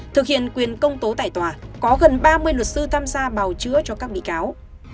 thực hiện quyền công tố tại tòa có gần ba mươi luật sư tham gia bào chữa cho các bị cáo